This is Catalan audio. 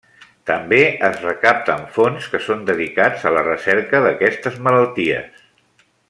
També es recapten fons que són dedicats a la recerca d'aquestes malalties.